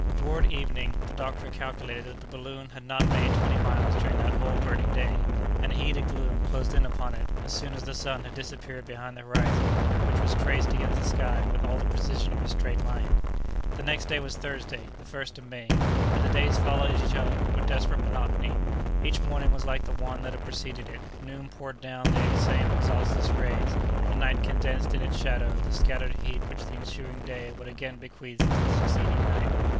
Toward evening, the doctor calculated that the balloon had not made twenty miles during that whole burning day, and a heated gloom closed in upon it, as soon as the sun had disappeared behind the horizon, which was traced against the sky with all the precision of a straight line. The next day was Thursday, the 1st of May, but the days followed each other with desperate monotony. Each morning was like the one that had preceded it; noon poured down the same exhaustless rays, and night condensed in its shadow the scattered heat which the ensuing day would again bequeath to the succeeding night.